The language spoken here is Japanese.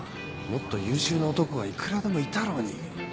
もっと優秀な男がいくらでもいたろうに